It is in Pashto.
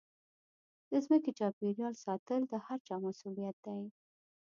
د ځمکې چاپېریال ساتل د هرچا مسوولیت دی.